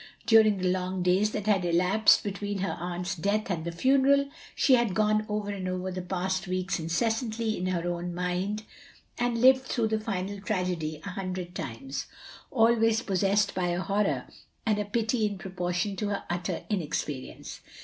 During the long days that had elapsed between her atmt's death and the funeral, she had gone over and over the past weeks incessantly in her own mind, and lived through the final tragedy a hundred times, always possessed by a horror and pity in proportion to her utter inexperience.